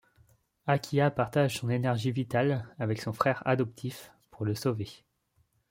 Akiha partage son énergie vitale avec son frère adoptif pour le sauver.